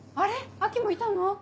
亜季もいたの？